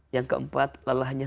yang keempat lelahnya